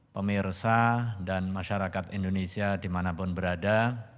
pemirsa dan masyarakat indonesia dimanapun berada